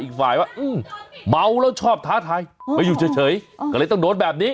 อีกฝ่ายว่าเมาแล้วชอบท้าทายมาอยู่เฉยก็เลยต้องโดนแบบนี้